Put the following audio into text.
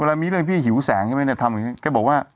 เวลามีเรื่องพี่หิวแสงใช่ไหมนะทำไงเขาก็บอกว่า